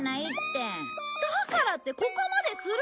だからってここまでする？